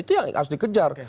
itu yang harus dikejar